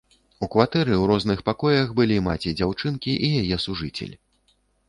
У кватэры ў розных пакоях былі маці дзяўчынкі і яе сужыцель.